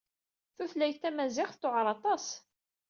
Tutlayt tamaziɣt tewɛeṛ aṭas.